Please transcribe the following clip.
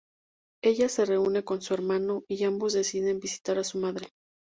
Ella se reúne con su hermano, y ambos deciden visitar a su madre.